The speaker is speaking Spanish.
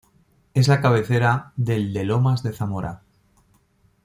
Es la cabecera del de Lomas de Zamora.